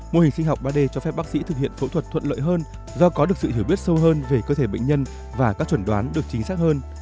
mô hình sinh học ba d cho phép bác sĩ thực hiện phẫu thuật thuận lợi hơn do có được sự hiểu biết sâu hơn về cơ thể bệnh nhân và các chuẩn đoán được chính xác hơn